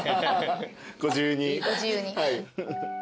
ご自由に。